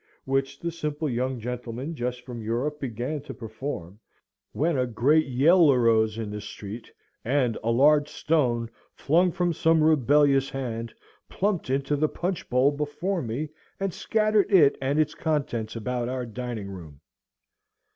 which the simple young gentleman just from Europe began to perform, when a great yell arose in the street, and a large stone, flung from some rebellious hand, plumped into the punch bowl before me, and scattered it and its contents about our dining room.